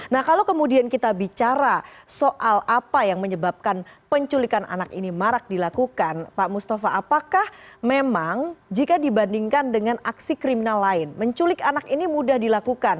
nah kalau kemudian kita bicara soal apa yang menyebabkan penculikan anak ini marak dilakukan pak mustafa apakah memang jika dibandingkan dengan aksi kriminal lain menculik anak ini mudah dilakukan